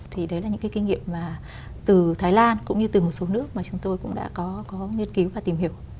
thì đấy là những cái kinh nghiệm mà từ thái lan cũng như từ một số nước mà chúng tôi cũng đã có nghiên cứu và tìm hiểu